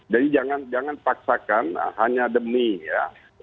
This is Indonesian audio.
jadi jangan paksakan hanya demi ya